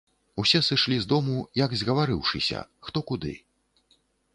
Усе сышлі з дому, як згаварыўшыся, хто куды.